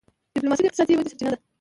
ډيپلوماسي د اقتصادي ودي سرچینه ده.